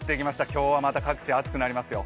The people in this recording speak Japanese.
今日はまた各地、暑くなりますよ。